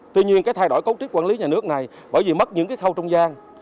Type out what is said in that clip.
tuy nhiên cái thay đổi cấu trúc quản lý nhà nước này bởi vì mất những cái khâu trung gian